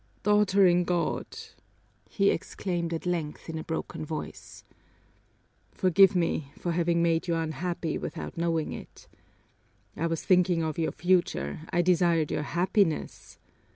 "Daughter in God," he exclaimed at length in a broken voice, "forgive me for having made you unhappy without knowing it. I was thinking of your future, I desired your happiness.